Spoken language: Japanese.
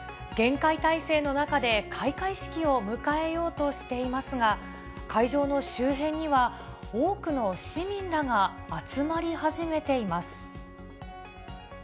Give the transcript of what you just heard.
厳戒態勢の中で開会式を迎えようとしていますが、会場の周辺には、多くの市民らが集まり始めています。